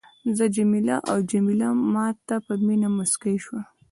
زه جميله او جميله ما ته په مینه مسکي شول.